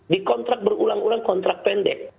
di kontrak berulang ulang kontrak pendek